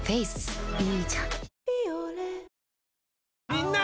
みんな！